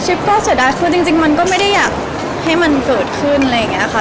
ก็เสียดายคือจริงมันก็ไม่ได้อยากให้มันเกิดขึ้นอะไรอย่างนี้ค่ะ